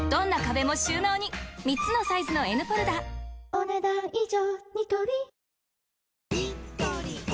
お、ねだん以上。